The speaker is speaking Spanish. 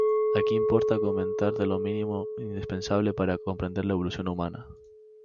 Aquí importa comentar de lo mínimo indispensable para comprender la evolución humana.